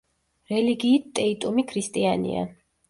რელიგიით ტეიტუმი ქრისტიანია.